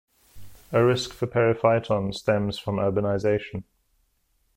A risk for periphyton stems from urbanization.